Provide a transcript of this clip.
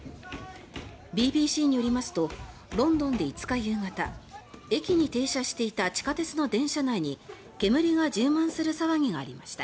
ＢＢＣによりますとロンドンで５日夕方駅に停車していた地下鉄の電車内に煙が充満する騒ぎがありました。